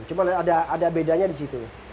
cuma ada bedanya di situ